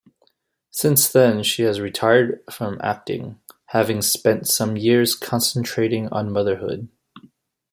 Since then she has retired from acting, having spent some years concentrating on motherhood.